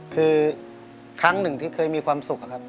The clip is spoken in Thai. คือครั้งหนึ่งที่เคยมีความสุขอะครับ